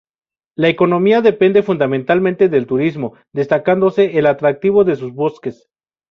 La economía depende fundamentalmente del turismo, destacándose el atractivo de sus bosques.